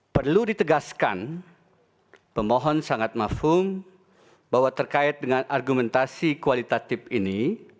perlu ditegaskan pemohon sangat mafung bahwa terkait dengan argumentasi kualitatif ini